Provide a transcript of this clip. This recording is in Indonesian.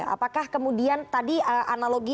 apakah kemudian tadi analogi